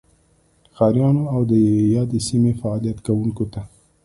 ښاریانو او دیادې سیمې فعالیت کوونکو ته